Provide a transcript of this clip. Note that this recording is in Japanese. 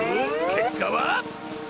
けっかは。